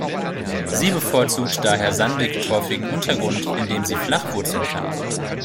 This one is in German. Sie bevorzugt daher sandig-torfigen Untergrund, in dem sie flach wurzeln kann.